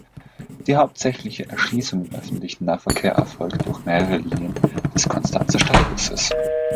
Die hauptsächliche Erschließung im öffentlichen Nahverkehr erfolgt durch mehrere Linien des Konstanzer Stadtbusses.